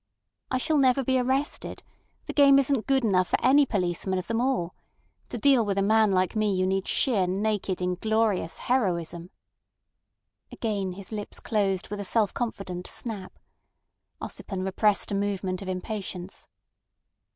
"I shall never be arrested. The game isn't good enough for any policeman of them all. To deal with a man like me you require sheer, naked, inglorious heroism." Again his lips closed with a self confident snap. Ossipon repressed a movement of impatience.